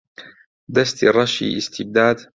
دەستی ڕەشی ئیستیبداد